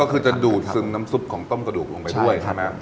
ก็คือจะดูดซึมน้ำซุปของต้มกระดูกลงไปด้วยใช่ไหม